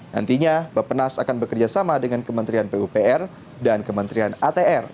nantinya bapenas akan bekerjasama dengan kementerian pupr dan kementerian atr